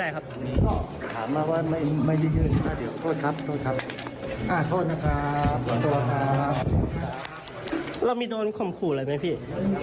นะคะก็ถามว่าอ่าซื้อซองแล้วทำไมไม่ยื่น